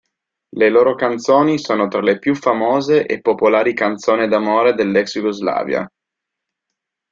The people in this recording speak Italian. Le loro canzoni sono tra le più famose e popolari canzoni d'amore dell'Ex-Jugoslavia.